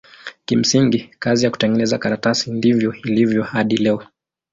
Kimsingi kazi ya kutengeneza karatasi ndivyo ilivyo hadi leo.